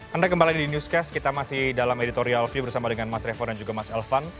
anda kembali di newscast kita masih dalam editorial view bersama dengan mas revo dan juga mas elvan